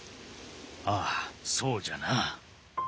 ああそうじゃな。